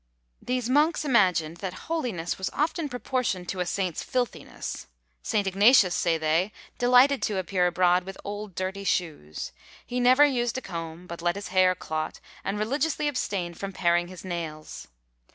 These monks imagined that holiness was often proportioned to a saint's filthiness. St. Ignatius, say they, delighted to appear abroad with old dirty shoes; he never used a comb, but let his hair clot; and religiously abstained from paring his nails.